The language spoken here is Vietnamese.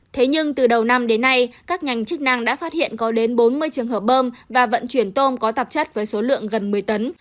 thế nhưng từ đầu năm đến nay các ngành chức năng đã phát hiện có đến bốn mươi trường hợp bơm và vận chuyển tôm có tạp chất với số lượng gần một mươi tấn